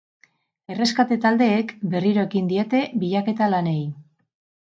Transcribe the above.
Erreskate taldeek berriro ekin diete bilaketa lanei.